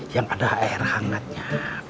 yang ada air hangatnya